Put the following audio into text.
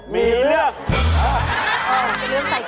มีเลือก